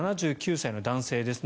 ７９歳の男性です。